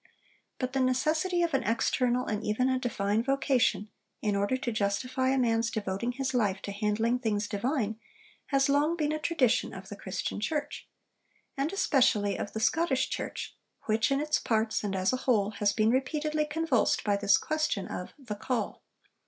But the necessity of an external and even a divine vocation, in order to justify a man's devoting his life to handling things divine, has long been a tradition of the Christian Church and especially of the Scottish church, which in its parts, and as a whole, has been repeatedly convulsed by this question of 'The Call.'